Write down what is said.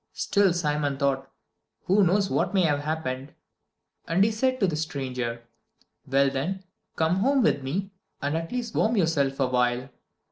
Still Simon thought, "Who knows what may have happened?" And he said to the stranger: "Well then, come home with me, and at least warm yourself awhile."